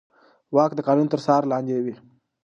واک د قانون تر څار لاندې وي.